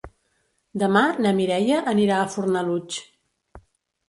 Demà na Mireia anirà a Fornalutx.